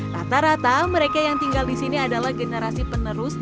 rata rata mereka yang tinggal di sini adalah generasi penerus yang berada di kota bsd